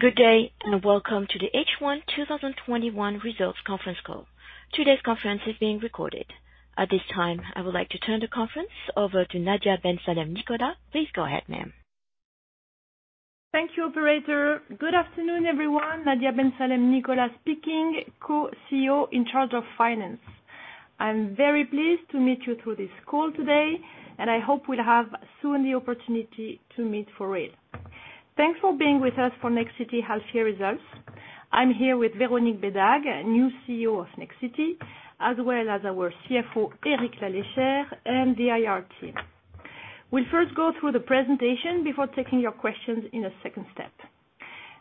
Good day, welcome to the H1 2021 Results Conference Call. Today's conference is being recorded. At this time, I would like to turn the conference over to Nadia Ben Salem-Nicolas. Please go ahead, ma'am. Thank you, operator. Good afternoon, everyone. Nadia Ben Salem-Nicolas speaking, Co-CEO in charge of finance. I'm very pleased to meet you through this call today, and I hope we'll have soon the opportunity to meet for real. Thanks for being with us for Nexity half-year results. I'm here with Véronique Bédague, new CEO of Nexity, as well as our CFO, Eric Lalechère, and the IR team. We'll first go through the presentation before taking your questions in a second step.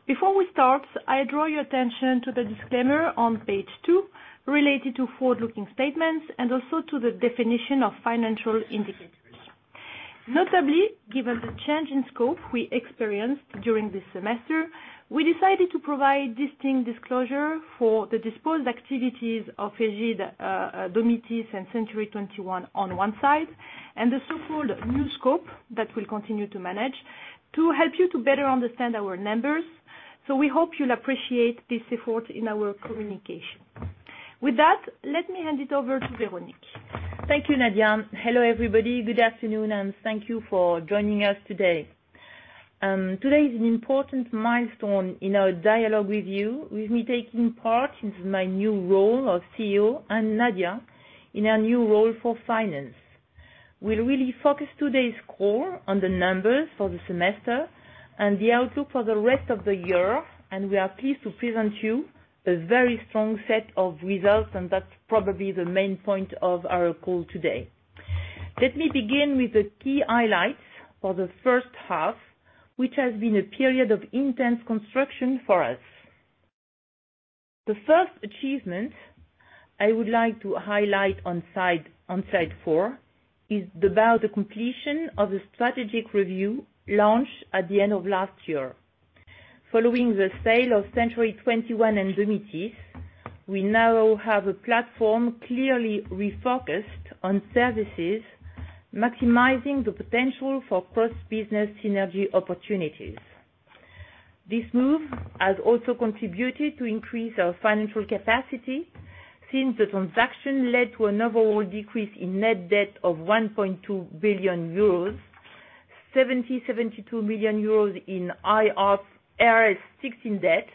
Before we start, I draw your attention to the disclaimer on page two related to forward-looking statements and also to the definition of financial indicators. Notably, given the change in scope we experienced during this semester, we decided to provide distinct disclosure for the disposed activities of Ægide, Domitys, and Century 21 on one side, and the so-called new scope that we'll continue to manage to help you to better understand our numbers. We hope you'll appreciate this effort in our communication. With that, let me hand it over to Véronique. Thank you, Nadia. Hello, everybody. Good afternoon, and thank you for joining us today. Today is an important milestone in our dialogue with you, with me taking part into my new role of CEO and Nadia in her new role for finance. We'll really focus today's call on the numbers for the semester and the outlook for the rest of the year, and we are pleased to present you a very strong set of results, and that's probably the main point of our call today. Let me begin with the key highlights for the first half, which has been a period of intense construction for us. The first achievement I would like to highlight on slide four is about the completion of the strategic review launched at the end of last year. Following the sale of Century 21 and Domitys, we now have a platform clearly refocused on services, maximizing the potential for cross-business synergy opportunities. This move has also contributed to increase our financial capacity since the transaction led to an overall decrease in net debt of 1.2 billion euros, 772 million euros in IFRS 16 debt,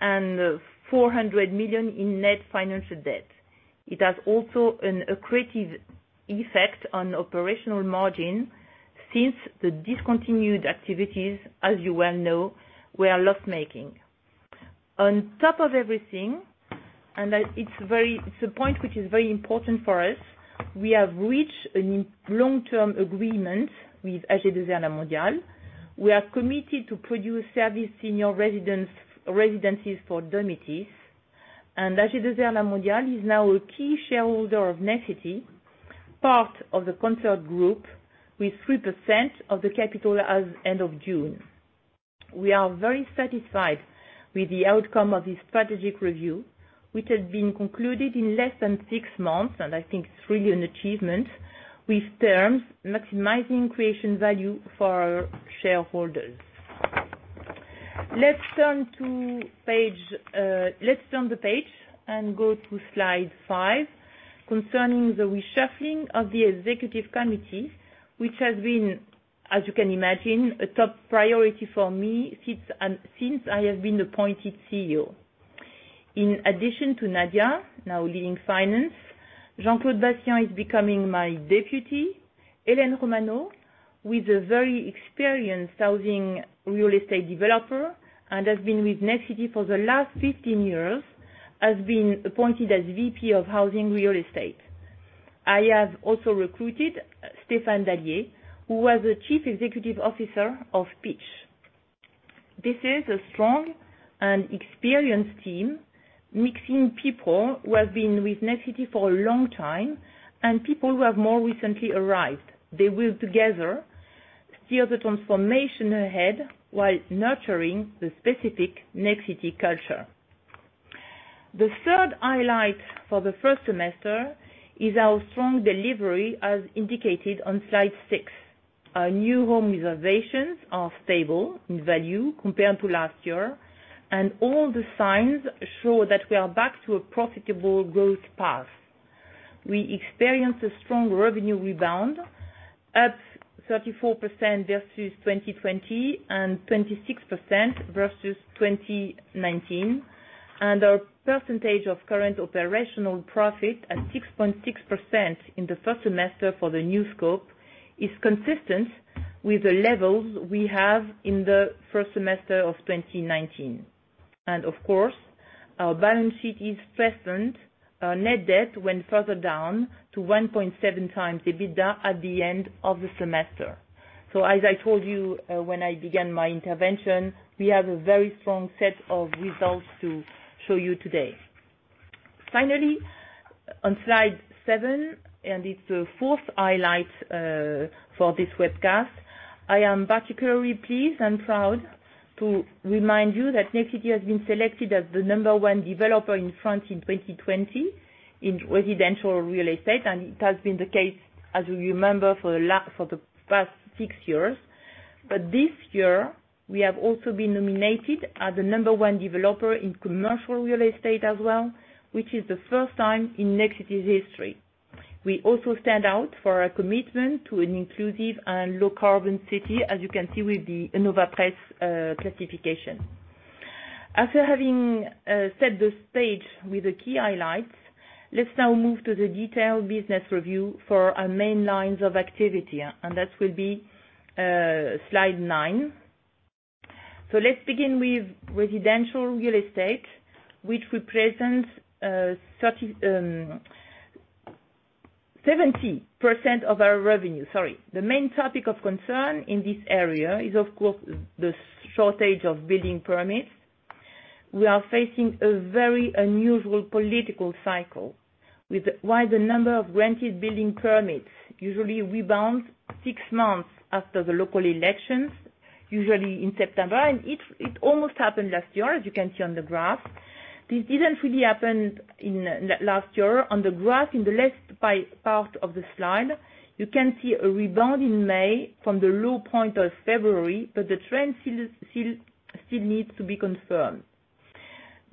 and 400 million in net financial debt. It has also an accretive effect on operational margin since the discontinued activities, as you well know, were loss-making. On top of everything, and it's a point which is very important for us, we have reached a long-term agreement with AG2R La Mondiale. We are committed to produce service in your residencies for Domitys, and AG2R La Mondiale is now a key shareholder of Nexity, part of the concert group with 3% of the capital as end of June. We are very satisfied with the outcome of this strategic review, which has been concluded in less than six months, and I think it's really an achievement, with terms maximizing creation value for our shareholders. Let's turn the page and go to slide five concerning the reshuffling of the Executive Committee, which has been, as you can imagine, a top priority for me since I have been appointed CEO. In addition to Nadia now leading finance, Jean-Claude Bassien is becoming my Deputy. Hélène Romano, who is a very experienced housing real estate developer and has been with Nexity for the last 15 years, has been appointed as VP of housing real estate. I have also recruited Stéphane Dalliet, who was the Chief Executive Officer of Pitch. This is a strong and experienced team, mixing people who have been with Nexity for a long time and people who have more recently arrived. They will together steer the transformation ahead while nurturing the specific Nexity culture. The third highlight for the first semester is our strong delivery, as indicated on slide six. Our new home reservations are stable in value compared to last year. All the signs show that we are back to a profitable growth path. We experienced a strong revenue rebound, up 34% versus 2020 and 26% versus 2019. Our percentage of current operational profit at 6.6% in the first semester for the new scope is consistent with the levels we have in the first semester of 2019. Of course, our balance sheet is strengthened. Our net debt went further down to 1.7x EBITDA at the end of the semester. As I told you when I began my intervention, we have a very strong set of results to show you today. On slide seven, and it's the 4th highlight for this webcast, I am particularly pleased and proud to remind you that Nexity has been selected as the number one developer in France in 2020. In residential real estate, and it has been the case, as you remember, for the past six years. This year, we have also been nominated as the number one developer in commercial real estate as well, which is the 1st time in Nexity's history. We also stand out for our commitment to an inclusive and low-carbon city, as you can see with the Innovapresse classification. After having set the stage with the key highlights, let's now move to the detailed business review for our main lines of activity. That will be slide nine. Let's begin with residential real estate, which represents 70% of our revenue. The main topic of concern in this area is, of course, the shortage of building permits. We are facing a very unusual political cycle while the number of granted building permits usually rebound 6 months after the local elections, usually in September, and it almost happened last year, as you can see on the graph. This didn't really happen last year. On the graph in the left part of the slide, you can see a rebound in May from the low point of February, but the trend still needs to be confirmed.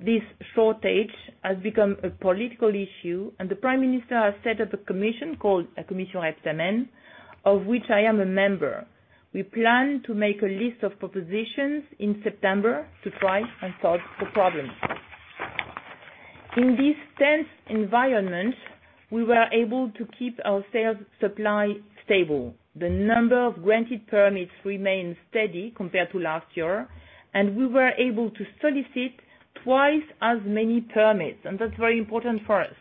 This shortage has become a political issue, and the Prime Minister has set up a commission called Commission Rebsamen, of which I am a member. We plan to make a list of propositions in September to try and solve the problem. In this tense environment, we were able to keep our sales supply stable. The number of granted permits remains steady compared to last year, and we were able to solicit twice as many permits, and that's very important for us.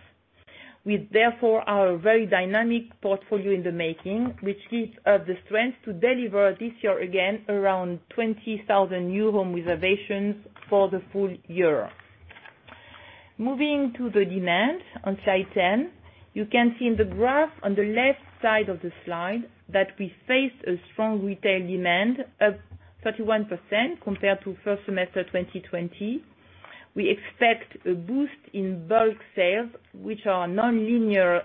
We, therefore, are a very dynamic portfolio in the making, which gives us the strength to deliver this year again around 20,000 new home reservations for the full year. Moving to the demand on slide 10, you can see in the graph on the left side of the slide that we faced a strong retail demand, up 31% compared to first semester 2020. We expect a boost in bulk sales, which are non-linear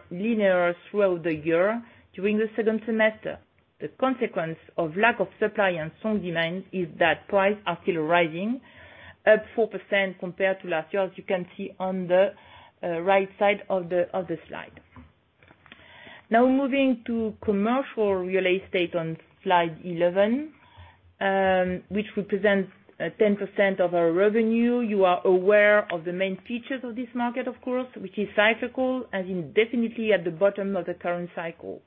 throughout the year during the second semester. The consequence of lack of supply and strong demand is that prices are still rising, up 4% compared to last year, as you can see on the right side of the slide. Moving to commercial real estate on slide 11, which represents 10% of our revenue. You are aware of the main features of this market, of course, which is cyclical, as in definitely at the bottom of the current cycle.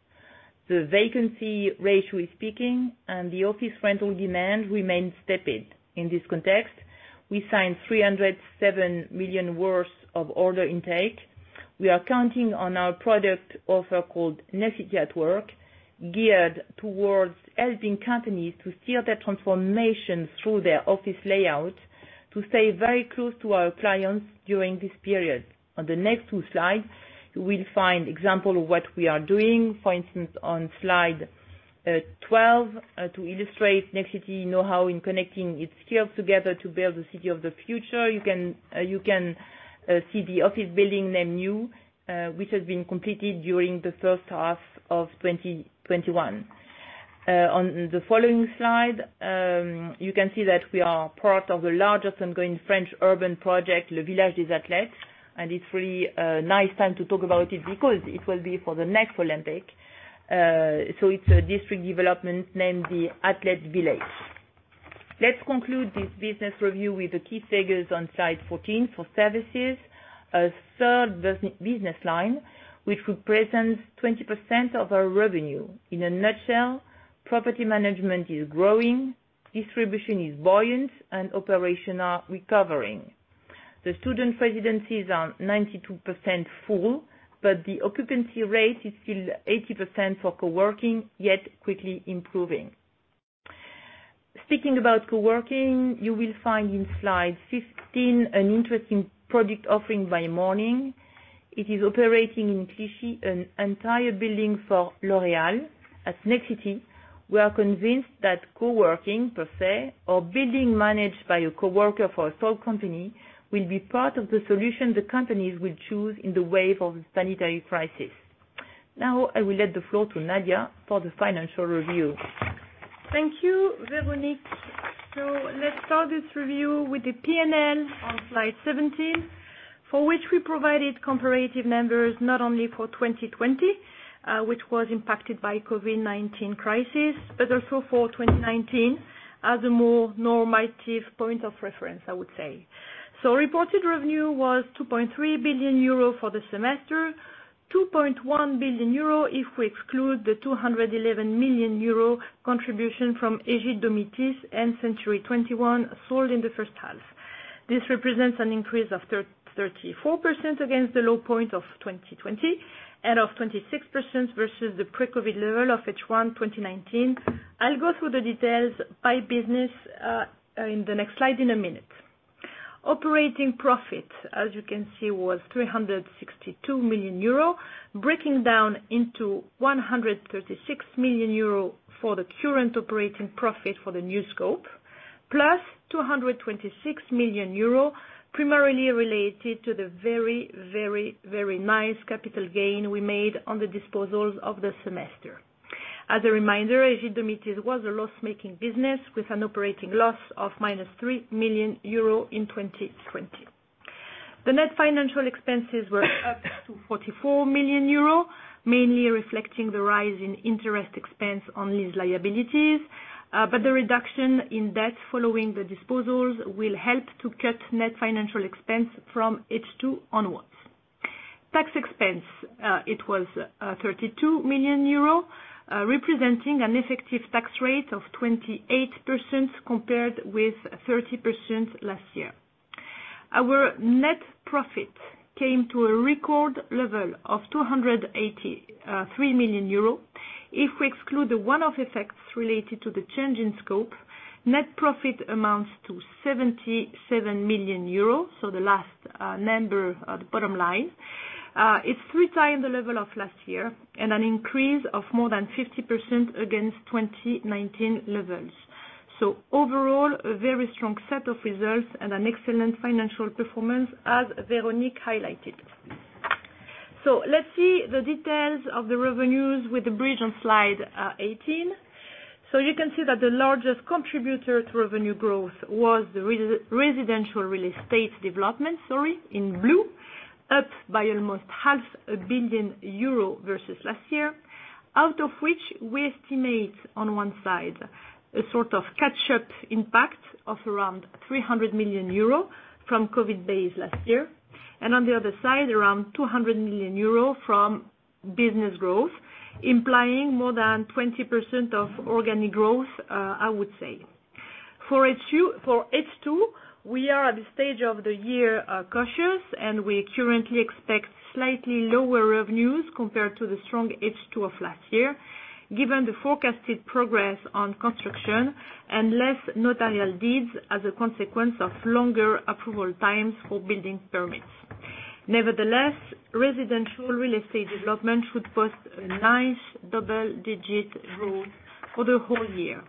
The vacancy ratio is peaking, and the office rental demand remains tepid. In this context, we signed 307 million worth of order intake. We are counting on our product offer called Nexity at Work, geared towards helping companies to steer their transformation through their office layout to stay very close to our clients during this period. On the next two slides, you will find example of what we are doing. For instance, on slide 12, to illustrate Nexity knowhow in connecting its skills together to build the city of the future, you can see the office building named New, which has been completed during the first half of 2021. On the following slide, you can see that we are part of the largest ongoing French urban project, Le Village des Athlètes, and it's really a nice time to talk about it because it will be for the next Olympic. It's a district development named the Athlete Village. Let's conclude this business review with the key figures on slide 14 for services. A third business line, which represents 20% of our revenue. In a nutshell, property management is growing, distribution is buoyant, and operation are recovering. The student residencies are 92% full, but the occupancy rate is still 80% for co-working, yet quickly improving. Speaking about co-working, you will find in slide 15 an interesting project offering by Morning. It is operating in Clichy, an entire building for L'Oréal. At Nexity, we are convinced that co-working per se or building managed by a co-worker for a sole company, will be part of the solution the companies will choose in the wave of the sanitary crisis. Now, I will let the floor to Nadia for the financial review. Thank you, Véronique. Let's start this review with the P&L on slide 17, for which we provided comparative numbers not only for 2020, which was impacted by COVID-19 crisis, but also for 2019 as a more normative point of reference, I would say. Reported revenue was 2.3 billion euro for the semester, 2.1 billion euro if we exclude the 211 million euro contribution from Ægide-Domitys and Century 21 sold in the first half. This represents an increase of 34% against the low point of 2020 and of 26% versus the pre-COVID level of H1 2019. I'll go through the details by business in the next slide in a minute. Operating profit, as you can see, was 362 million euro, breaking down into 136 million euro for the current operating profit for the new scope. Plus 226 million euro, primarily related to the very nice capital gain we made on the disposals of the semester. As a reminder, Ægide-Domitys was a loss-making business with an operating loss of minus 3 million euro in 2020. The net financial expenses were up to 44 million euro, mainly reflecting the rise in interest expense on lease liabilities. The reduction in debt following the disposals will help to cut net financial expense from H2 onwards. Tax expense. It was 32 million euro, representing an effective tax rate of 28% compared with 30% last year. Our net profit came to a record level of 283 million euros. If we exclude the one-off effects related to the change in scope, net profit amounts to 77 million euros, so the last number at the bottom line. It's 3x the level of last year and an increase of more than 50% against 2019 levels. Overall, a very strong set of results and an excellent financial performance, as Véronique Bédague highlighted. Let's see the details of the revenues with the bridge on slide 18. You can see that the largest contributor to revenue growth was the residential real estate development, sorry, in blue, up by almost half a billion EUR versus last year. Out of which we estimate on one side, a sort of catch-up impact of around 300 million euro from COVID base last year. On the other side, around 200 million euro from business growth, implying more than 20% of organic growth, I would say. For H2, we are at the stage of the year, cautious, and we currently expect slightly lower revenues compared to the strong H2 of last year, given the forecasted progress on construction and less notarial deeds as a consequence of longer approval times for building permits. Nevertheless, residential real estate development should post a nice double-digit growth for the whole year.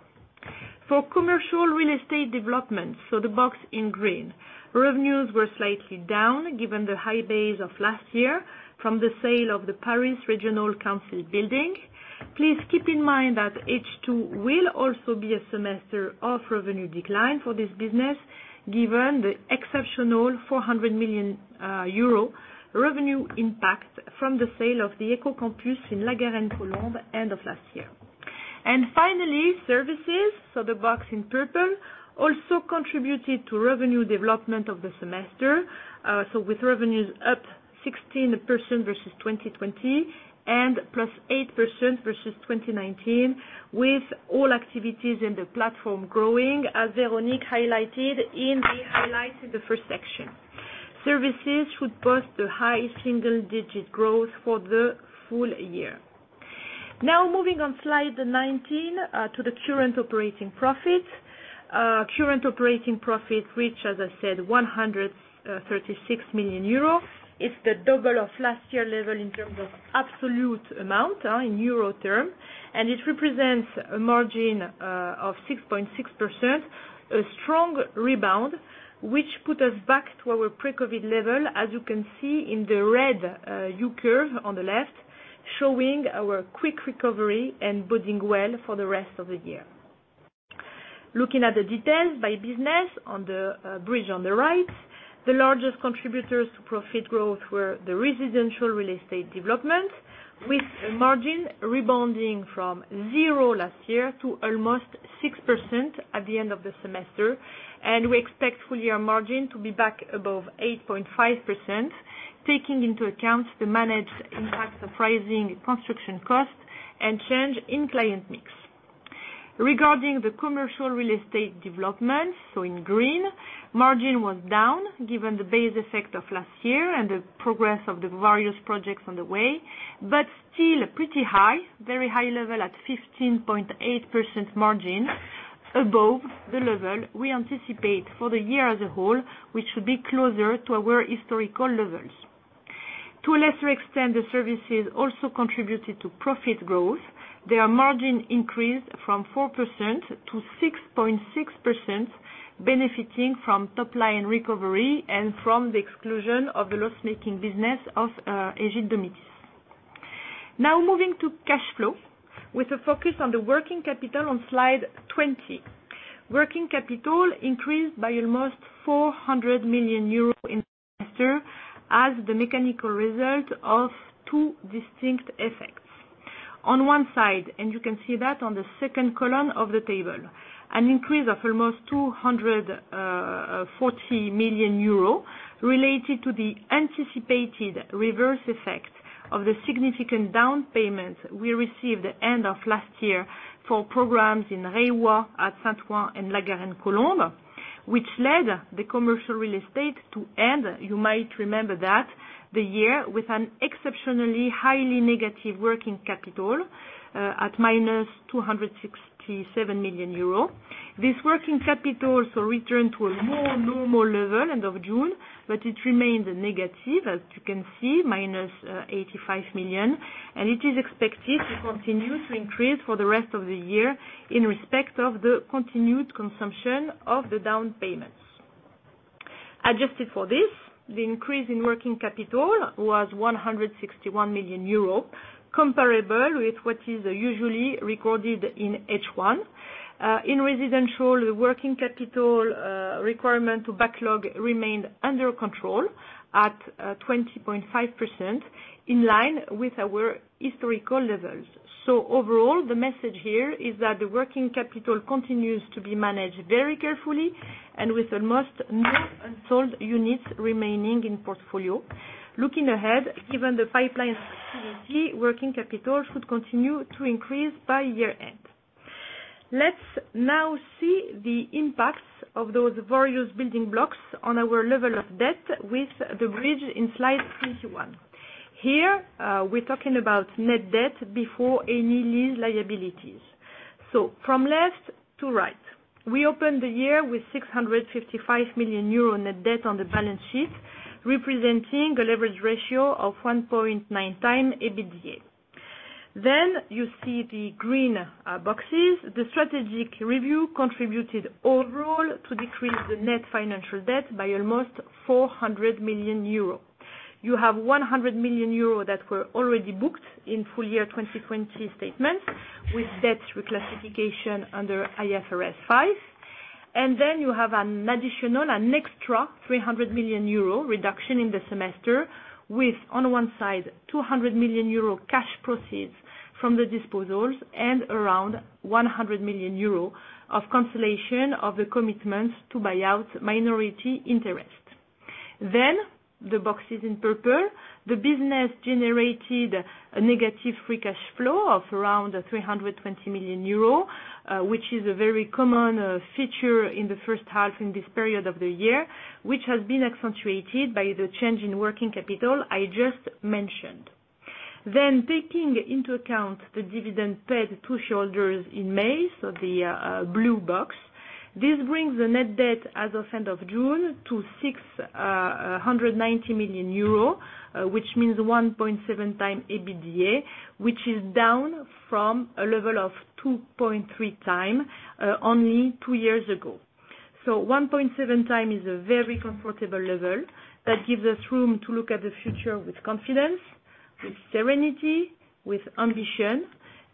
For commercial real estate development, so the box in green, revenues were slightly down given the high base of last year from the sale of the Paris Regional Council building. Please keep in mind that H2 will also be a semester of revenue decline for this business, given the exceptional 400 million euro revenue impact from the sale of the Ecocampus in La Garenne-Colombes end of last year. Finally, services, so the box in purple, also contributed to revenue development of the semester. With revenues up 16% versus 2020 and plus 8% versus 2019, with all activities in the platform growing, as Véronique highlighted in the first section. Services should post the high single-digit growth for the full year. Moving on slide 19, to the current operating profit. Current operating profit, which, as I said, 136 million euro, is the double of last year level in terms of absolute amount in EUR term. It represents a margin of 6.6%, a strong rebound, which put us back to our pre-COVID level, as you can see in the red U curve on the left, showing our quick recovery and boding well for the rest of the year. Looking at the details by business on the bridge on the right, the largest contributors to profit growth were the residential real estate development, with a margin rebounding from zero last year to almost 6% at the end of the semester. We expect full-year margin to be back above 8.5%, taking into account the managed impact of rising construction costs and change in client mix. Regarding the commercial real estate development, in green, margin was down given the base effect of last year and the progress of the various projects on the way, but still pretty high, very high level at 15.8% margin above the level we anticipate for the year as a whole, which should be closer to our historical levels. To a lesser extent, the services also contributed to profit growth. Their margin increased from 4% to 6.6%, benefiting from top-line recovery and from the exclusion of the loss-making business of Ægide-Domitys. Now moving to cash flow with a focus on the working capital on slide 20. Working capital increased by almost 400 million euros in the semester as the mechanical result of two distinct effects. On one side, you can see that on the second column of the table, an increase of almost 240 million euro related to the anticipated reverse effect of the significant down payments we received end of last year for programs in Reiwa, at Saint Ouen and La Garenne-Colombes, which led the commercial real estate to end, you might remember that, the year with an exceptionally highly negative working capital at minus 267 million euro. This working capital returned to a more normal level end of June, but it remained negative, as you can see, minus 85 million, and it is expected to continue to increase for the rest of the year in respect of the continued consumption of the down payments. Adjusted for this, the increase in working capital was 161 million euros, comparable with what is usually recorded in H1. In residential, the working capital requirement to backlog remained under control at 20.5%, in line with our historical levels. Overall, the message here is that the working capital continues to be managed very carefully and with almost no unsold units remaining in portfolio. Looking ahead, given the pipeline working capital should continue to increase by year-end. Let's now see the impacts of those various building blocks on our level of debt with the bridge in slide 21. Here, we're talking about net debt before any lease liabilities. From left to right, we opened the year with 655 million euro net debt on the balance sheet, representing a leverage ratio of 1.19 EBITDA. You see the green boxes. The strategic review contributed overall to decrease the net financial debt by almost 400 million euros. You have 100 million euros that were already booked in full year 2020 statements with debt reclassification under IFRS 5. You have an additional, an extra 300 million euro reduction in the semester with, on one side, 200 million euro cash proceeds from the disposals and around 100 million euro of cancellation of the commitments to buy out minority interest. The boxes in purple, the business generated a negative free cash flow of around 320 million euros, which is a very common feature in the first half in this period of the year, which has been accentuated by the change in working capital I just mentioned. Taking into account the dividend paid to shareholders in May, so the blue box. This brings the net debt as of end of June to 690 million euro, which means 1.7x EBITDA, which is down from a level of 2.3x, only two years ago. 1.7x is a very comfortable level that gives us room to look at the future with confidence, with serenity, with ambition.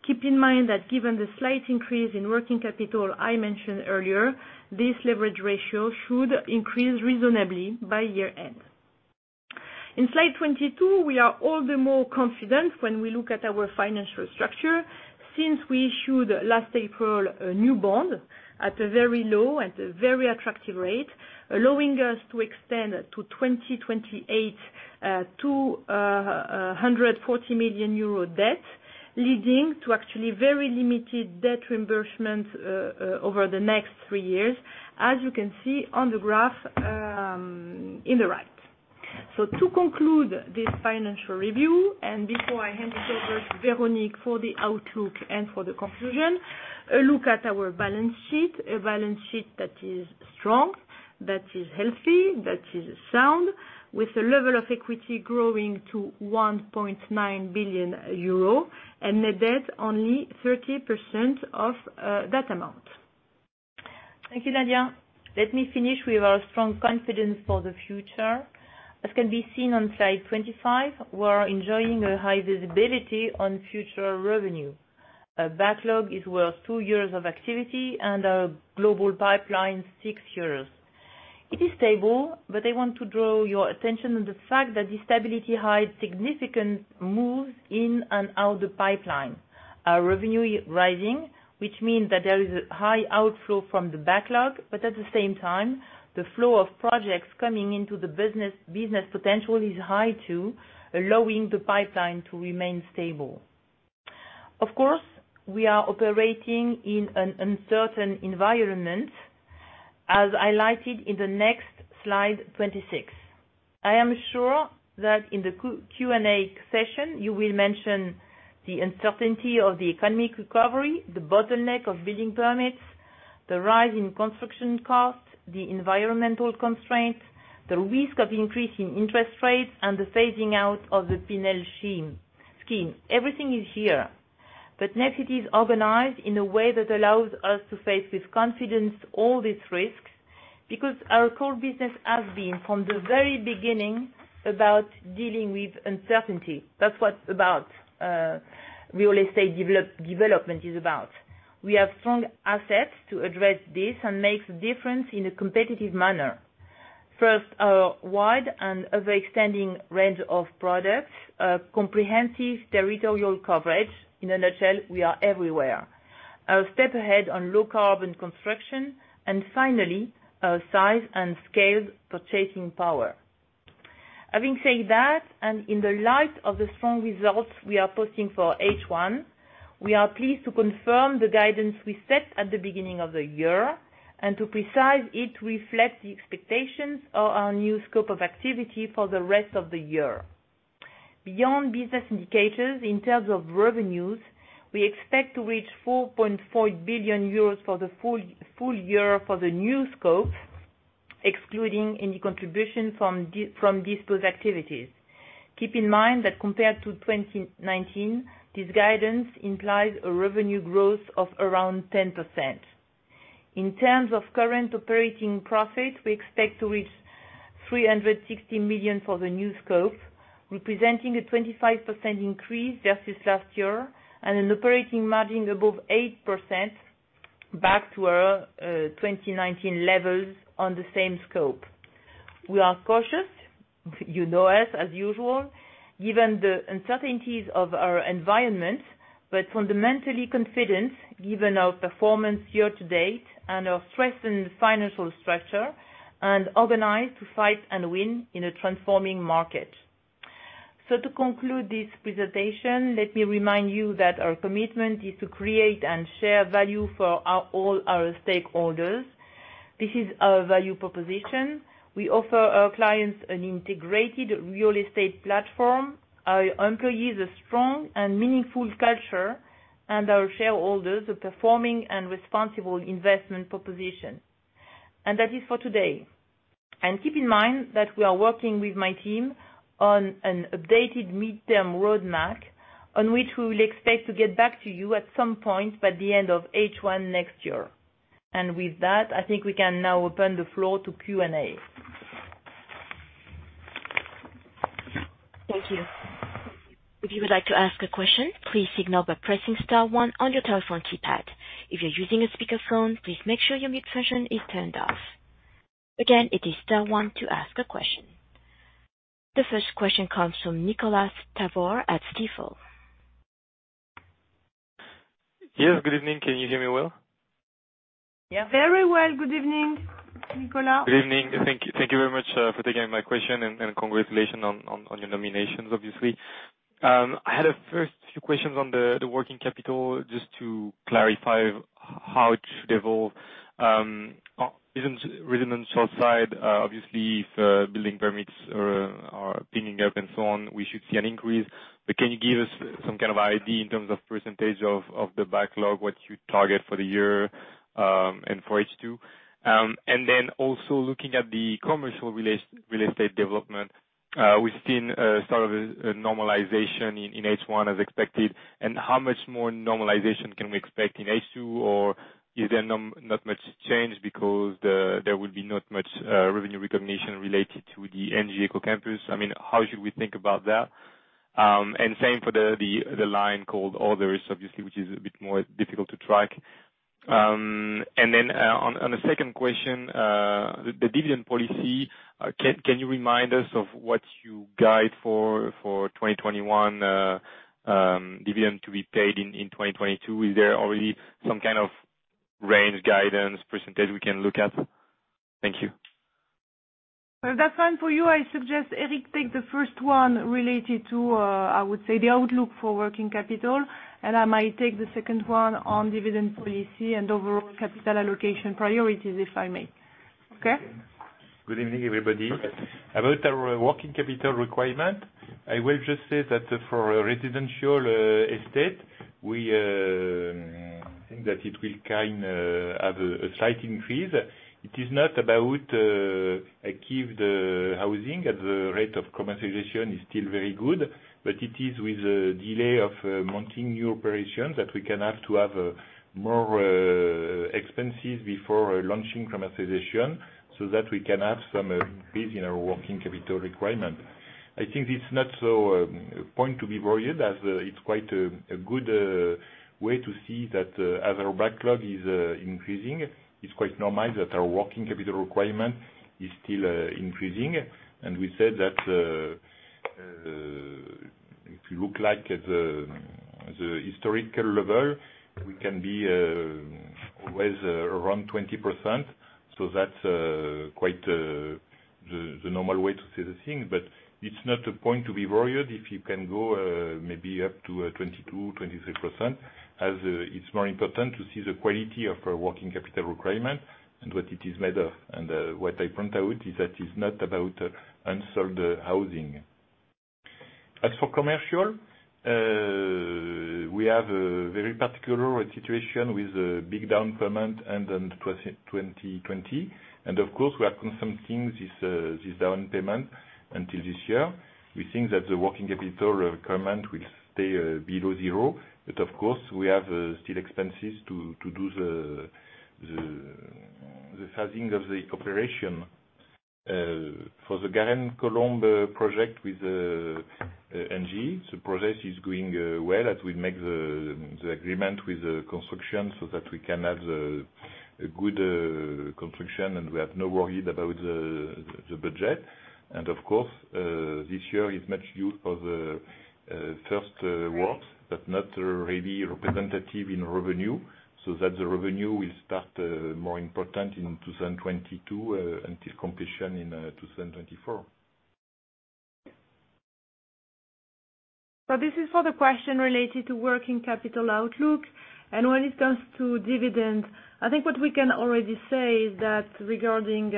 Keep in mind that given the slight increase in working capital I mentioned earlier, this leverage ratio should increase reasonably by year-end. In slide 22, we are all the more confident when we look at our financial structure since we issued last April a new bond at a very low and a very attractive rate, allowing us to extend to 2028, 240 million euro debt, leading to actually very limited debt reimbursement over the next three years, as you can see on the graph, on the right. To conclude this financial review, and before I hand it over to Véronique for the outlook and for the conclusion, a look at our balance sheet. A balance sheet that is strong, that is healthy, that is sound, with a level of equity growing to 1.9 billion euro and a debt only 30% of that amount. Thank you, Nadia. Let me finish with our strong confidence for the future. As can be seen on slide 25, we are enjoying a high visibility on future revenue. Our backlog is worth two years of activity and our global pipeline three years. It is stable, but I want to draw your attention to the fact that this stability hides significant moves in and out the pipeline. Our revenue is rising, which means that there is a high outflow from the backlog, but at the same time, the flow of projects coming into the business potential is high too, allowing the pipeline to remain stable. Of course, we are operating in an uncertain environment, as highlighted in the next slide 26. I am sure that in the Q&A session, you will mention the uncertainty of the economic recovery, the bottleneck of building permits, the rise in construction costs, the environmental constraints, the risk of increase in interest rates, and the phasing out of the Pinel scheme. Everything is here, but Nexity is organized in a way that allows us to face with confidence all these risks, because our core business has been, from the very beginning, about dealing with uncertainty. That's what real estate development is about. We have strong assets to address this and make the difference in a competitive manner. First, our wide and ever-extending range of products, comprehensive territorial coverage. In a nutshell, we are everywhere. A step ahead on low carbon construction, and finally, our size and scale purchasing power. Having said that, in the light of the strong results we are posting for H1, we are pleased to confirm the guidance we set at the beginning of the year, and to precise it reflect the expectations of our new scope of activity for the rest of the year. Beyond business indicators, in terms of revenues, we expect to reach 4.4 billion euros for the full year for the new scope, excluding any contribution from dispose activities. Keep in mind that compared to 2019, this guidance implies a revenue growth of around 10%. In terms of current operating profit, we expect to reach 360 million for the new scope, representing a 25% increase versus last year and an operating margin above 8%, back to our 2019 levels on the same scope. We are cautious, you know us, as usual, given the uncertainties of our environment, but fundamentally confident, given our performance year to date and our strengthened financial structure, and organized to fight and win in a transforming market. To conclude this presentation, let me remind you that our commitment is to create and share value for all our stakeholders. This is our value proposition. We offer our clients an integrated real estate platform, our employees a strong and meaningful culture, and our shareholders a performing and responsible investment proposition. That is for today. Keep in mind that we are working with my team on an updated midterm roadmap, on which we will expect to get back to you at some point by the end of H1 next year. With that, I think we can now open the floor to Q&A. Thank you. If you would like to ask a question, please signal by pressing star one on your telephone keypad. If you're using a speakerphone, please make sure your mute function is turned off. Again, it is star one to ask a question. The first question comes from Nicolas Tabor at Stifel. Yes, good evening. Can you hear me well? Very well. Good evening, Nicolas. Good evening. Thank you very much for taking my question. Congratulations on your nominations, obviously. I had a first few questions on the working capital, just to clarify how it should evolve. Residential side, obviously, if building permits are picking up and so on, we should see an increase. Can you give us some kind of idea in terms of percentage of the backlog, what you target for the year, and for H2? Then also looking at the commercial real estate development, we've seen sort of a normalization in H1 as expected, and how much more normalization can we expect in H2? Is there not much change because there will be not much revenue recognition related to the ENGIE Ecocampus? How should we think about that? Same for the line called others, obviously, which is a bit more difficult to track. On a second question, the dividend policy. Can you remind us of what you guide for 2021 dividend to be paid in 2022? Is there already some kind of range guidance percentage we can look at? Thank you. If that's fine for you, I suggest Eric take the first one related to, I would say, the outlook for working capital, and I might take the second one on dividend policy and overall capital allocation priorities, if I may. Okay? Good evening, everybody. About our working capital requirement, I will just say that for residential estate, we think that it will kind of have a slight increase. It is not about active housing, as the rate of commercialization is still very good, but it is with the delay of mounting new operations that we can have to have more expenses before launching commercialization, so that we can have some increase in our working capital requirement. I think it's not so a point to be worried, as it's quite a good way to see that as our backlog is increasing, it's quite normal that our working capital requirement is still increasing. We said that, if you look like at the historical level, we can be always around 20%, that's quite the normal way to see the thing. It's not a point to be worried if you can go maybe up to 22%, 23%, as it's more important to see the quality of our working capital requirement and what it is made of. What I point out is that it's not about unsold housing. As for commercial, we have a very particular situation with a big down payment end in 2020. Of course, we are consuming this down payment until this year. We think that the working capital requirement will stay below zero, but of course, we have still expenses to do the sizing of the cooperation. For the La Garenne-Colombes project with ENGIE, the process is going well, as we make the agreement with the construction, so that we can have a good construction and we have no worry about the budget. Of course, this year is much used for the first works, but not really representative in revenue, so that the revenue will start more important in 2022, until completion in 2024. This is for the question related to working capital outlook. When it comes to dividends, I think what we can already say is that regarding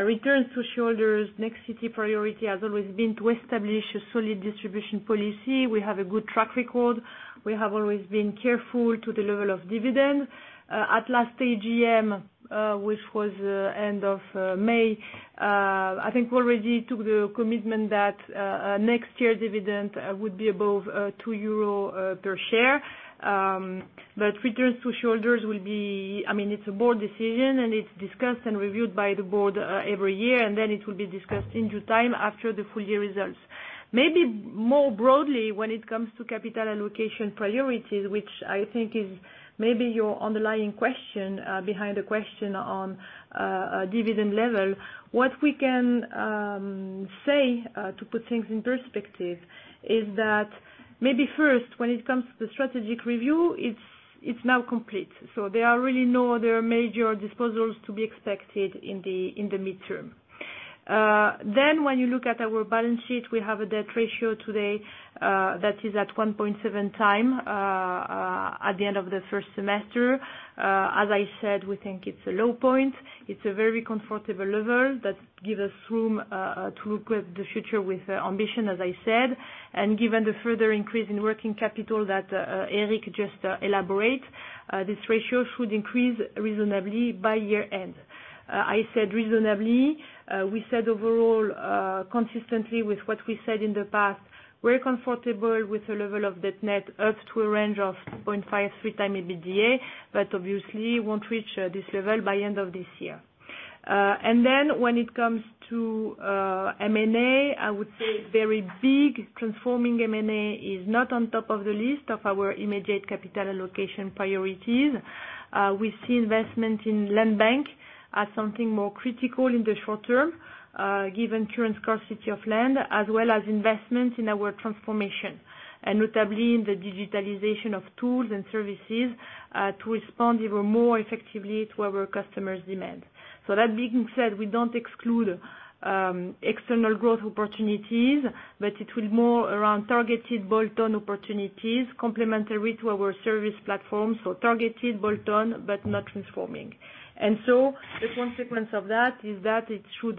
returns to shareholders, Nexity priority has always been to establish a solid distribution policy. We have a good track record. We have always been careful to the level of dividends. At last AGM, which was end of May, I think we already took the commitment that next year dividend would be above 2 euro per share. Returns to shareholders, it's a board decision, and it's discussed and reviewed by the board every year, and then it will be discussed in due time after the full year results. Maybe more broadly when it comes to capital allocation priorities, which I think is maybe your underlying question behind the question on dividend level, what we can say, to put things in perspective, is that maybe first, when it comes to the strategic review, it's now complete. There are really no other major disposals to be expected in the midterm. When you look at our balance sheet, we have a debt ratio today that is at 1.7x, at the end of the first semester. As I said, we think it's a low point. It's a very comfortable level that gives us room to look at the future with ambition, as I said. Given the further increase in working capital that Eric just elaborated, this ratio should increase reasonably by year end. I said reasonably. We said overall, consistently with what we said in the past, we're comfortable with the level of debt net up to a range of 2.53x EBITDA, obviously won't reach this level by end of this year. When it comes to M&A, I would say very big transforming M&A is not on top of the list of our immediate capital allocation priorities. We see investment in land bank as something more critical in the short term, given current scarcity of land, as well as investment in our transformation, and notably in the digitalization of tools and services, to respond even more effectively to our customers' demands. That being said, we don't exclude external growth opportunities, but it will more around targeted bolt-on opportunities complementary to our service platform. Targeted bolt-on, not transforming. The consequence of that is that it should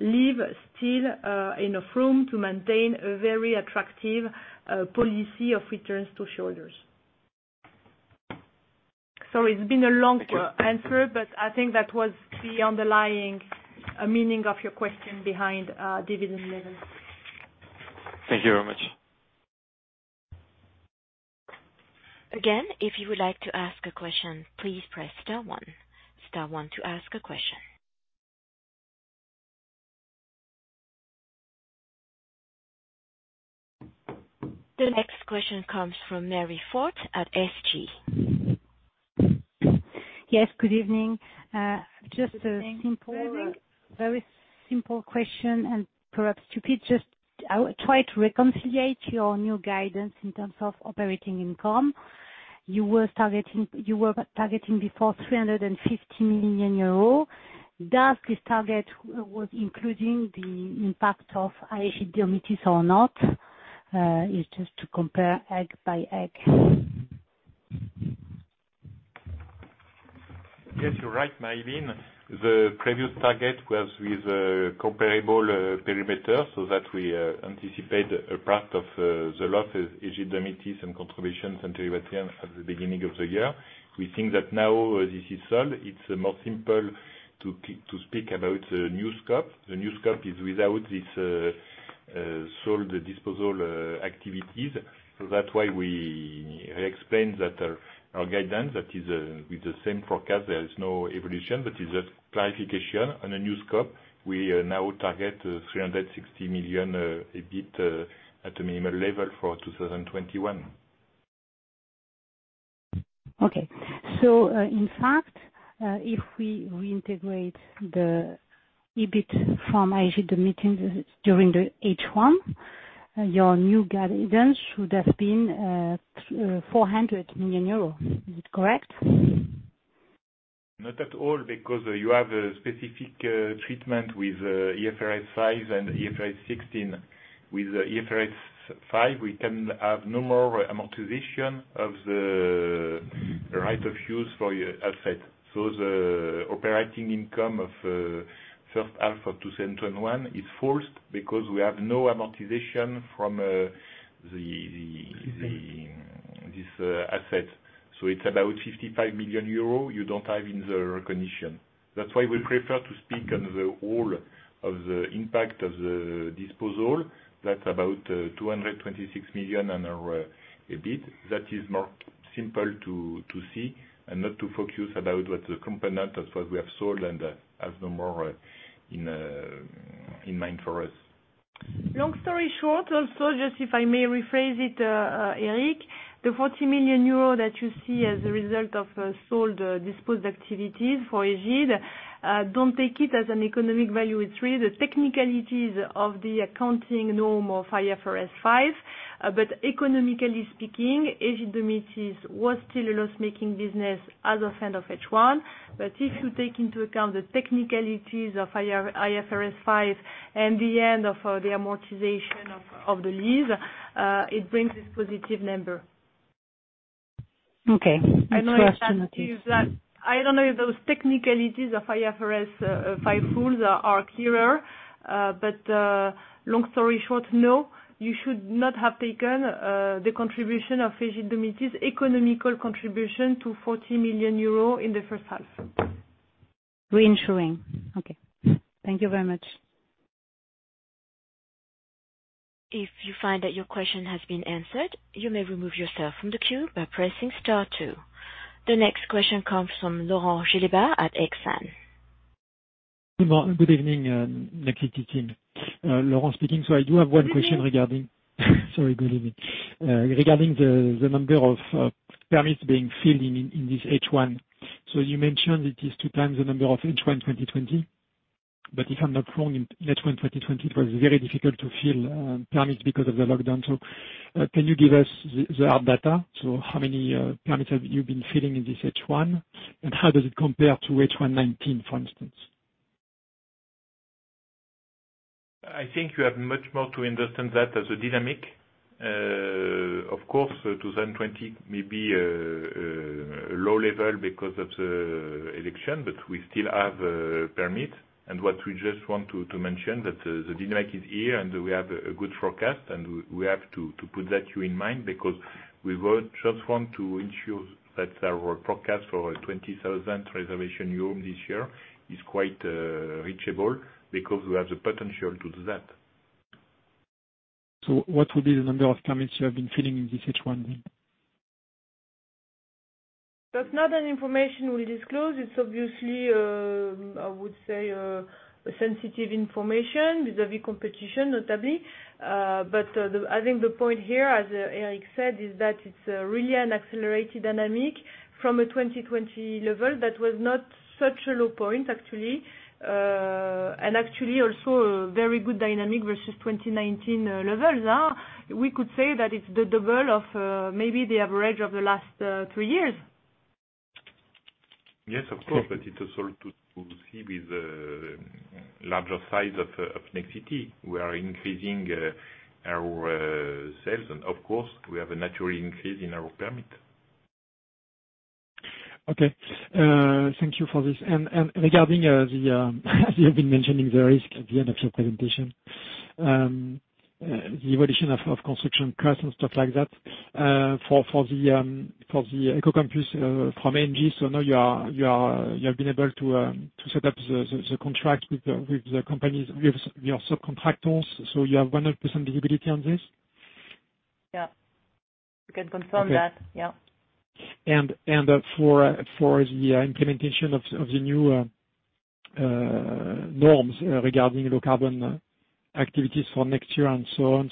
leave still enough room to maintain a very attractive policy of returns to shareholders. Sorry, it's been a long answer, but I think that was the underlying meaning of your question behind dividend level. Thank you very much. Again, if you would like to ask a question, please press star one. Star one to ask a question. The next question comes from Marie Fort at SG. Yes, good evening. Just a very simple question and perhaps stupid, just I would try to reconcile your new guidance in terms of operating income. You were targeting before 350 million euro. Does this target was including the impact of Ægide-Domitys or not? It's just to compare egg by egg. Yes, you're right, Marie. The previous target was with comparable perimeter, so that we anticipate a part of the loss is Ægide-Domitys and contributions and derivatives at the beginning of the year. We think that now this is solved. It's more simple to speak about the new scope. The new scope is without this sold disposal activities. That's why we explain that our guidance, that is with the same forecast, there is no evolution. That is just clarification on a new scope. We now target 360 million EBIT at a minimal level for 2021. Okay. in fact, if we reintegrate the EBIT from Ægide-Domitys during the H1, your new guidance should have been 400 million euros. Is it correct? Not at all, because you have a specific treatment with IFRS 5 and IFRS 16. With IFRS 5, we can have no more amortization of the right of use for your asset. The operating income of first half of 2021 is forced because we have no amortization from this asset. It's about 55 million euro you don't have in the recognition. That's why we prefer to speak on the whole of the impact of the disposal. That's about 226 million on our EBIT. That is more simple to see and not to focus about what the component of what we have sold and have no more in mind for us. Long story short, just if I may rephrase it, Eric, the 40 million euro that you see as a result of sold disposed activities for Ægide, don't take it as an economic value. It's really the technicalities of the accounting norm of IFRS 5. Economically speaking, Ægide-Domitys was still a loss-making business as of end of H1. If you take into account the technicalities of IFRS 5 and the end of the amortization of the lease, it brings this positive number. Okay. Next question. I know it's sad news that-- I don't know if those technicalities of IFRS 5 rules are clearer. Long story short, no, you should not have taken the contribution of Ægide-Domitys' economical contribution to 40 million euros in the first half. Reinsuring. Okay. Thank you very much. If you find that your question has been answered, you may remove yourself from the queue by pressing star two. The next question comes from Laurent Gillet at Exane. Good evening, Nexity team. Laurent speaking. Sorry, good evening. Regarding the number of permits being filled in this H1. You mentioned it is 2x the number of H1 2020, but if I'm not wrong, in H1 2020 it was very difficult to fill permits because of the lockdown. Can you give us the hard data? How many permits have you been filling in this H1, and how does it compare to H1 2019, for instance? I think you have much more to understand that as a dynamic. Of course, 2020 may be a low level because of the election, but we still have permits. What we just want to mention, that the dynamic is here, and we have a good forecast, and we have to put that in mind because we would just want to ensure that our forecast for 20,000 reservation homes this year is quite reachable, because we have the potential to do that. What will be the number of permits you have been filling in this H1 then? That's not an information we disclose. It's obviously, I would say, sensitive information vis-a-vis competition, notably. I think the point here, as Eric said, is that it's really an accelerated dynamic from a 2020 level that was not such a low point, actually. Actually also a very good dynamic versus 2019 levels. We could say that it's the double of maybe the average of the last three years. Yes, of course. It's also to see with larger size of Nexity. We are increasing our sales. Of course, we have a natural increase in our permit. Okay. Thank you for this. Regarding, as you have been mentioning the risk at the end of your presentation, the evolution of construction costs and stuff like that for the Ecocampus from ENGIE, now you have been able to set up the contract with the companies, with your subcontractors, you have 100% visibility on this? Yeah. We can confirm that. Okay. Yeah. For the implementation of the new norms regarding low carbon activities for next year and so on.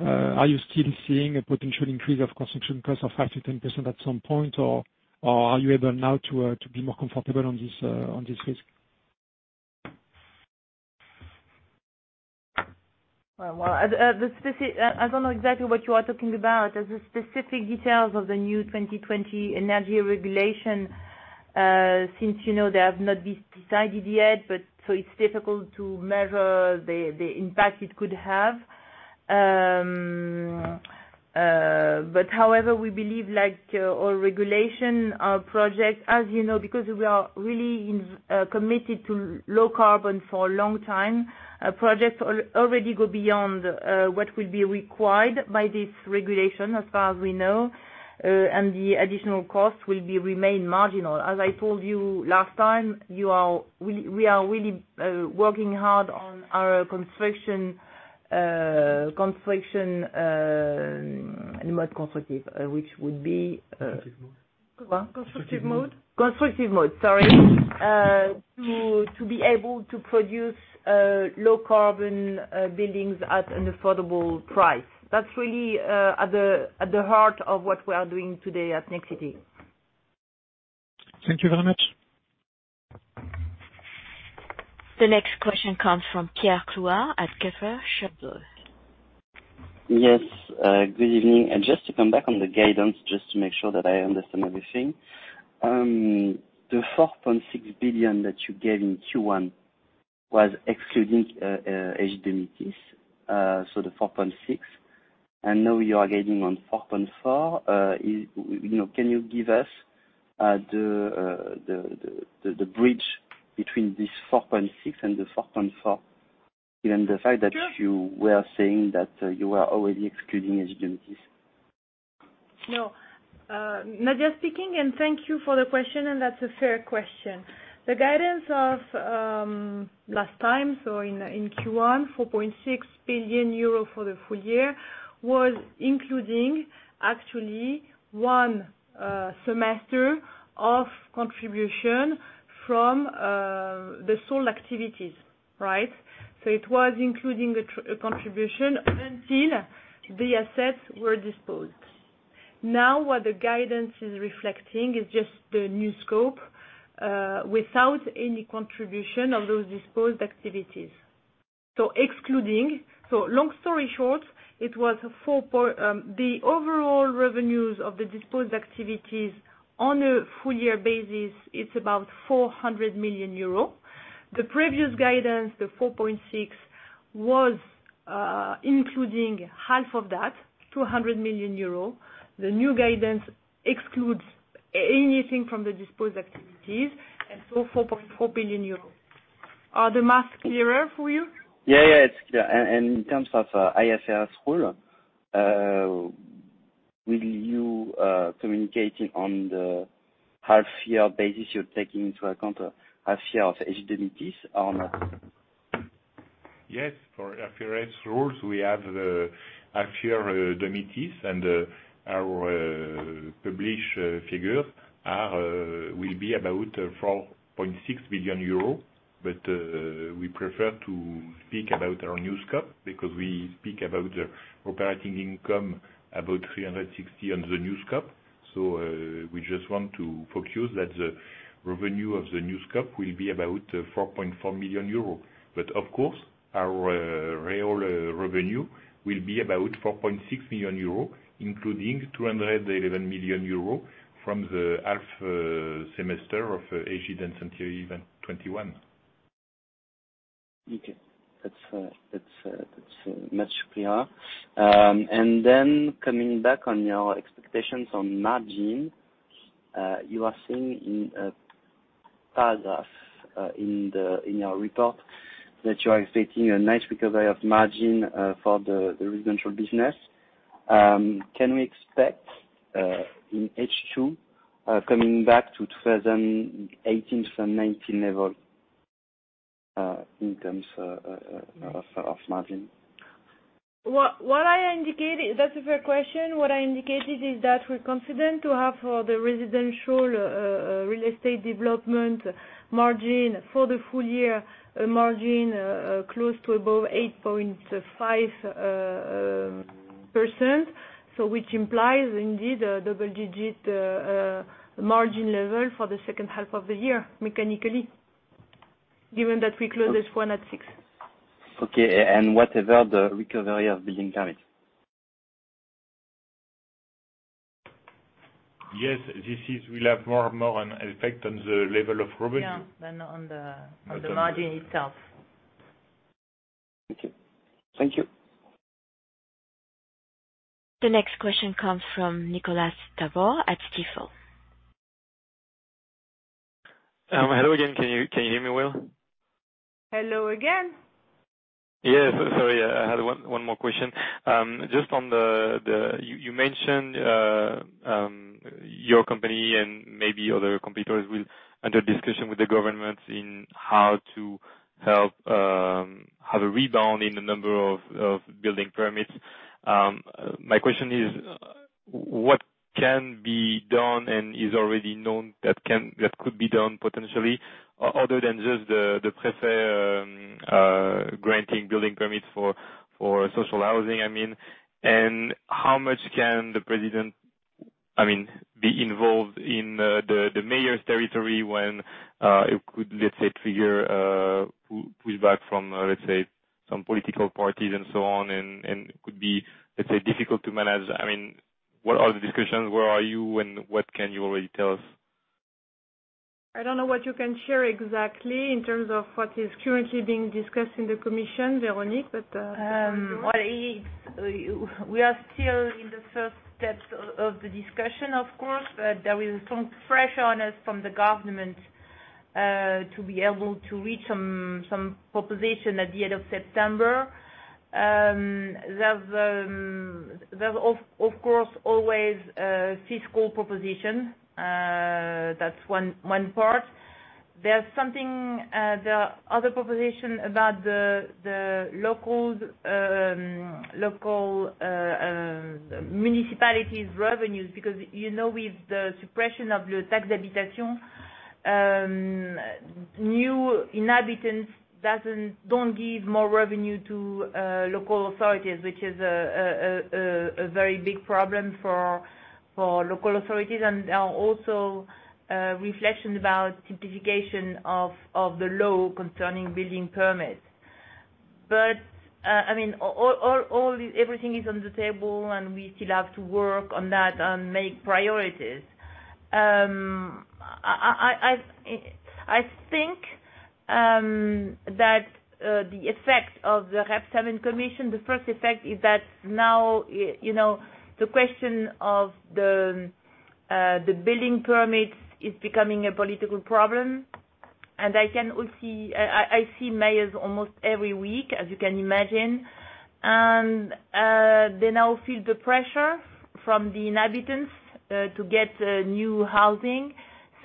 Are you still seeing a potential increase of construction cost of 5%-10% at some point, or are you able now to be more comfortable on this risk? Well, I don't know exactly what you are talking about. The specific details of the new 2020 energy regulation, since they have not been decided yet, so it's difficult to measure the impact it could have. However, we believe like all regulation projects, as you know, because we are really committed to low carbon for a long time, projects already go beyond what will be required by this regulation as far as we know. The additional cost will remain marginal. As I told you last time, we are really working hard on our construction mode. Constructive mode. What? Constructive mode. Constructive mode, sorry. To be able to produce low carbon buildings at an affordable price. That's really at the heart of what we are doing today at Nexity. Thank you very much. The next question comes from Pierre Pouchelon at Jefferies. Yes, good evening. Just to come back on the guidance, just to make sure that I understand everything. The 4.6 billion that you gave in Q1 was excluding Ægide-Domitys, so the 4.6 billion. Now you are guiding on 4.4 billion. Can you give us the bridge between this 4.6 billion and the 4.4 billion, given the fact that you were saying that you were already excluding Ægide-Domitys? Nadia speaking, thank you for the question, that's a fair question. The guidance of last time, in Q1, 4.6 billion euro for the full year, was including, actually, one semester of contribution from the sold activities. It was including a contribution until the assets were disposed. What the guidance is reflecting is just the new scope, without any contribution of those disposed activities. Long story short, the overall revenues of the disposed activities on a full year basis, it's about 400 million euro. The previous guidance, the 4.6, was including half of that, 200 million euro. The new guidance excludes anything from the disposed activities, 4.4 billion euro. Are the math clearer for you? Yeah. In terms of IFRS rule, will you be communicating on the half year basis you're taking into account half year of Ægide-Domitys or not? Yes, for IFRS rules, we have half-year Domitys, and our published figures will be about 4.6 billion euro. We prefer to speak about our new scope, because we speak about operating income, about 360 on the new scope. We just want to focus that the revenue of the new scope will be about 4.4 million euro. Of course, our real revenue will be about 4.6 million euro, including 211 million euro from the half-semester of Ægide and Century 21. Okay. That's much clearer. Coming back on your expectations on margin, you are seeing in a paragraph in your report that you are expecting a nice recovery of margin for the residential business. Can we expect in H2, coming back to 2018, 2019 level, in terms of margin? That's a fair question. What I indicated is that we're confident to have the residential real estate development margin for the full year, a margin close to above 8.5%, which implies indeed a double-digit margin level for the second half of the year, mechanically, given that we closed H1 at 6. Okay. What about the recovery of building permits? This will have more and more an effect on the level of revenue. Yeah. Then on the margin itself. Thank you. Thank you. The next question comes from Nicolas Tabor at Stifel. Hello again. Can you hear me well? Hello again. Yes. Sorry, I had one more question. Just on the You mentioned your company and maybe other competitors will enter discussion with the government in how to help have a rebound in the number of building permits. My question is what can be done and is already known that could be done potentially other than just the préfet granting building permits for social housing, I mean? How much can the president be involved in the mayor's territory when it could, let's say, trigger pushback from, let's say, some political parties and so on, and could be, let's say, difficult to manage? What are the discussions? Where are you, and what can you already tell us? I don't know what you can share exactly in terms of what is currently being discussed in the commission, Véronique. We are still in the first steps of the discussion, of course, but there is some pressure on us from the government, to be able to reach some proposition at the end of September. There's, of course, always a fiscal proposition. That's one part. There are other proposition about the local municipality's revenues, because with the suppression of the taxe d'habitation, new inhabitants don't give more revenue to local authorities, which is a very big problem for local authorities, and also reflection about simplification of the law concerning building permits. Everything is on the table, and we still have to work on that and make priorities. I think that the effect of the Rebsamen commission, the first effect is that now, the question of the building permits is becoming a political problem. I see mayors almost every week, as you can imagine. They now feel the pressure from the inhabitants to get new housing.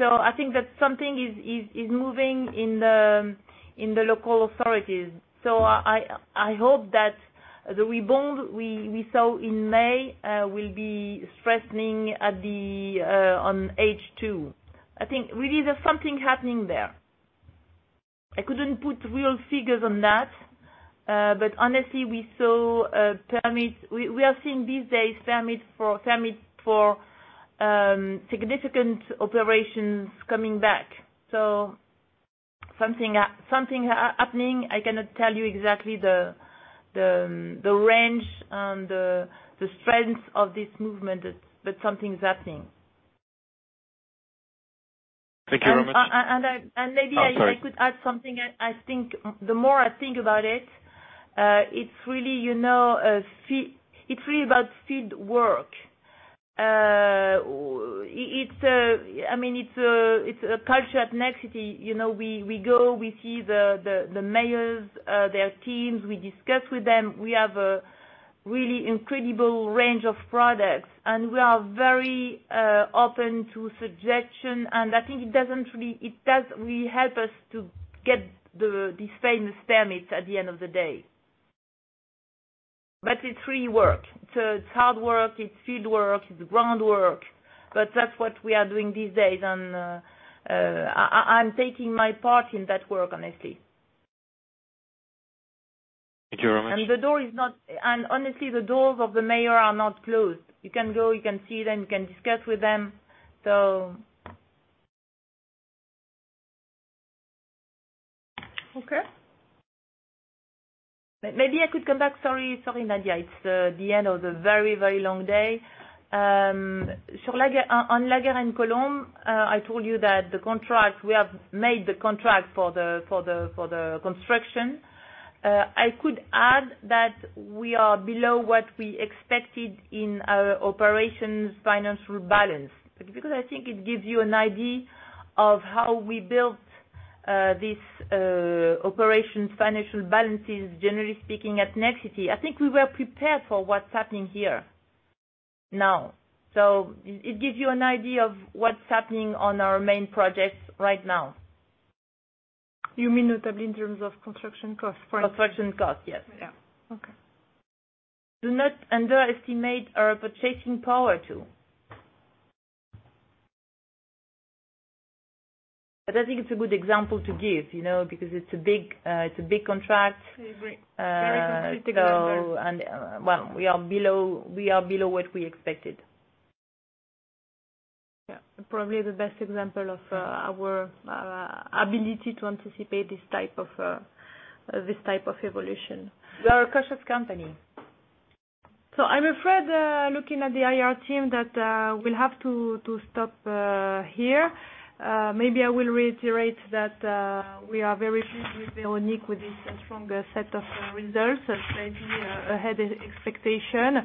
I think that something is moving in the local authorities. I hope that the rebound we saw in May will be strengthening on H2. I think really there's something happening there. I couldn't put real figures on that. Honestly, we are seeing these days permits for significant operations coming back. Something happening, I cannot tell you exactly the range and the strength of this movement, but something's happening. Thank you very much. And maybe- Oh, sorry. I could add something. The more I think about it's really about field work. It's a culture at Nexity. We go, we see the mayors, their teams, we discuss with them. We have a really incredible range of products, and we are very open to suggestion, and I think it does really help us to get these famous permits at the end of the day. It's really work. It's hard work, it's field work, it's ground work. That's what we are doing these days, and I'm taking my part in that work, honestly. Thank you very much. Honestly, the doors of the mayor are not closed. You can go, you can see them, you can discuss with them. Okay. Maybe I could come back. Sorry, Nadia. It's the end of a very long day. On La Garenne-Colombes, I told you that we have made the contract for the construction. I could add that we are below what we expected in our operations financial balance. Because I think it gives you an idea of how we built these operations financial balances, generally speaking, at Nexity. I think we were prepared for what's happening here now. It gives you an idea of what's happening on our main projects right now. You mean notably in terms of construction cost? Construction cost, yes. Yeah. Okay. Do not underestimate our purchasing power, too. I think it's a good example to give, because it's a big contract. Agree. Very concrete example. We are below what we expected. Yeah. Probably the best example of our ability to anticipate this type of evolution. We are a cautious company. I'm afraid, looking at the IR team, that we'll have to stop here. Maybe I will reiterate that we are very pleased with Véronique with this strong set of results, which maybe ahead expectation.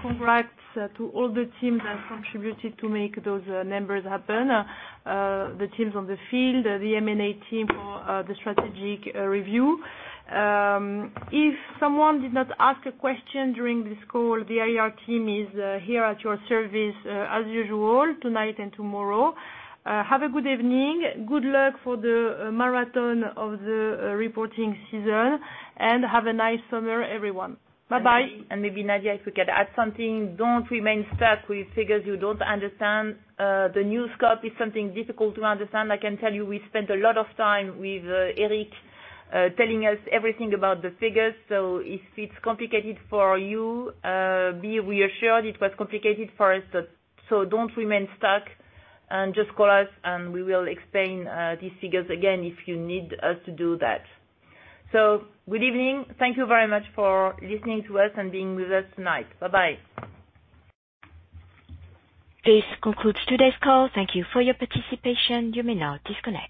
Congrats to all the teams that contributed to make those numbers happen. The teams on the field, the M&A team for the strategic review. If someone did not ask a question during this call, the IR team is here at your service as usual tonight and tomorrow. Have a good evening. Good luck for the marathon of the reporting season, and have a nice summer, everyone. Bye-bye. Maybe, Nadia, if we could add something. Don't remain stuck with figures you don't understand. The new scope is something difficult to understand. I can tell you we spent a lot of time with Eric telling us everything about the figures. If it's complicated for you, be reassured it was complicated for us. Don't remain stuck, and just call us, and we will explain these figures again if you need us to do that. Good evening. Thank you very much for listening to us and being with us tonight. Bye-bye. This concludes today's call. Thank you for your participation. You may now disconnect.